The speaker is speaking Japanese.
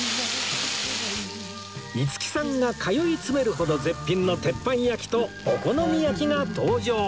五木さんが通い詰めるほど絶品の鉄板焼きとお好み焼きが登場！